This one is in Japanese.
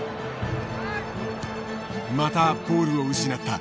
またボールを失った。